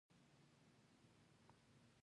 د افغانستان د موقعیت د افغانستان طبعي ثروت دی.